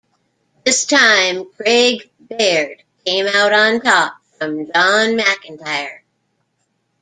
This time Craig Baird came out on top from John McIntyre.